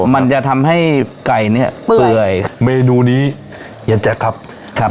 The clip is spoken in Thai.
มันจะทำให้ไก่เนี่ยเปื่อยเมนูนี้เย็นแจ๊คครับครับ